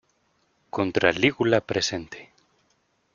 Contra-lígula presente.